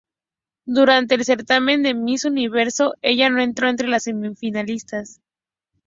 Durante el certamen de Miss Universo ella no entró entre las semifinalistas.